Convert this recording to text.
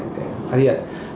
để phát hiện